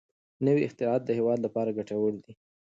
نوي اختراعات د هېواد لپاره ګټور دي.